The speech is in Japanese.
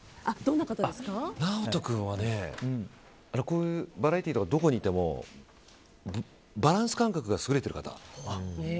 ＮＡＯＴＯ君は僕、バラエティーとかどこにいてもバランス感覚が優れてる方。